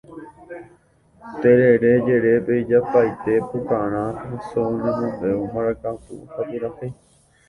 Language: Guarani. Terere jerépe ijapaite: pukarã, káso ñemombe'u, mbarakapu ha purahéi.